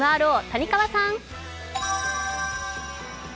ＭＲＯ・谷川さん！